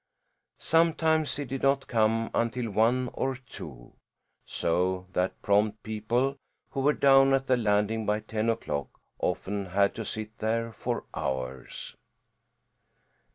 Sometimes it did not come until one or two; so that prompt people, who were down at the landing by ten o'clock, often had to sit there for hours.